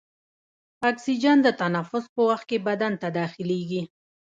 اکسیجن د تنفس په وخت کې بدن ته داخلیږي.